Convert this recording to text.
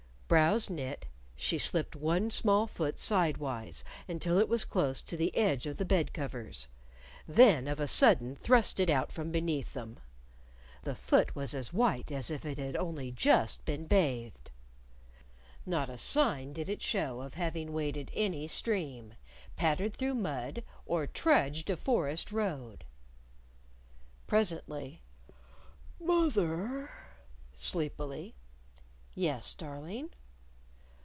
Brows knit, she slipped one small foot sidewise until it was close to the edge of the bed covers, then of a sudden thrust it out from beneath them. The foot was as white as if it had only just been bathed! Not a sign did it show of having waded any stream, pattered through mud, or trudged a forest road! Presently, "Moth er," sleepily. "Yes, darling?"